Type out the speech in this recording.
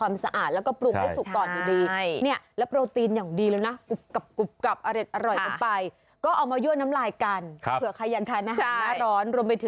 มันอยู่บนต้นไม้